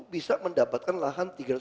bisa mendapatkan lahan